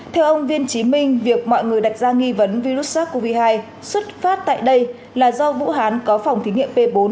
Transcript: theo ông viên trí minh việc mọi người đặt ra nghi vấn virus sars cov hai xuất phát tại đây là do vũ hán có phòng thí nghiệm p bốn